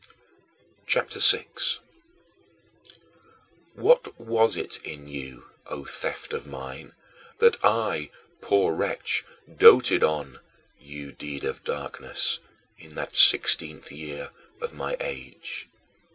CHAPTER VI 12. What was it in you, O theft of mine, that I, poor wretch, doted on you deed of darkness in that sixteenth year of my age?